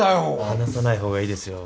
話さないほうがいいですよ